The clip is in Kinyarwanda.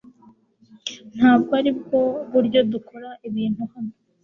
Ntabwo aribwo buryo dukora ibintu hano